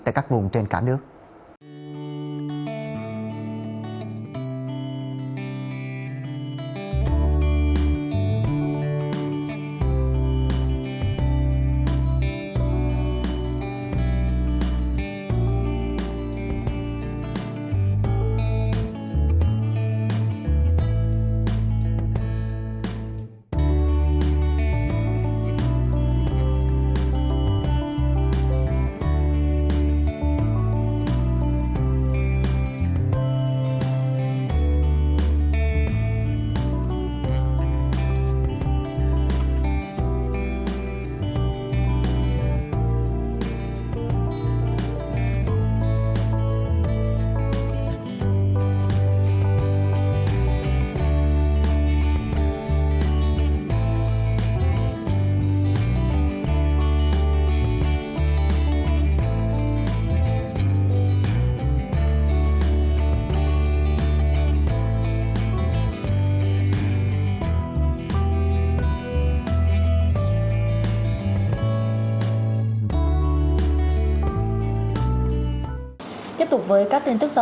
tại các vùng trên cả nước